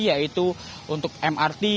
yaitu untuk mrt